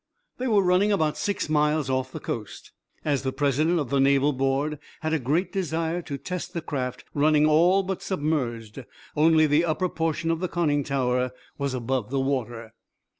They were running about six miles off the coast. As the president of the Naval board had a great desire to test the craft running all but submerged, only the upper portion of the conning tower was above the water.